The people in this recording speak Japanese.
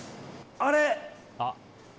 あれ？